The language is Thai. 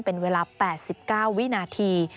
เป็นเวลา๘๙วินาที